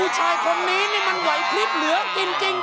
ชายคนนี้นี่มันไหวพลิบเหลือกินจริง